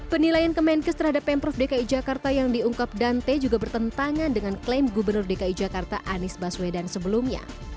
penilaian kemenkes terhadap pemprov dki jakarta yang diungkap dante juga bertentangan dengan klaim gubernur dki jakarta anies baswedan sebelumnya